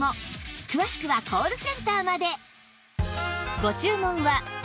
詳しくはコールセンターまで